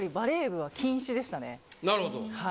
なるほど。